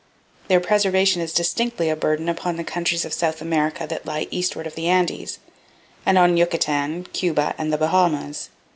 Their preservation is distinctly a burden upon the countries of South America that lie eastward of the Andes, and on Yucatan, Cuba and the Bahamas.